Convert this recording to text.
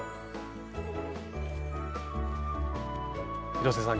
広瀬さん